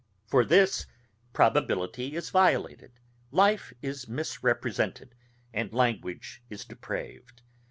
For this probability is violated, life is misrepresented, and language is depraved.